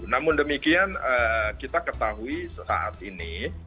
namun demikian kita ketahui saat ini